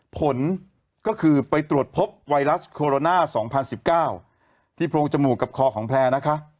ผลก็คือไปตรวจพบไวรัสโคโรนา๒๐๑๙ที่โพรงจมูกกับคอของแพลร์นะคะ